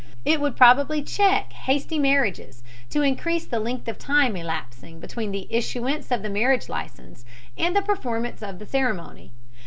It would probably check hasty marriages to increase the length of time elapsing between the issuance of the marriage license and the performance of the ceremony.